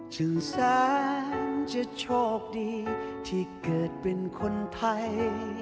สงสารจะโชคดีที่เกิดเป็นคนไทย